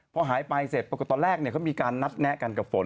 พอหายไปเสร็จปรากฏตอนแรกเขามีการนัดแนะกันกับฝน